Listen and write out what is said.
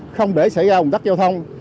không để xảy ra hùng tắc giao thông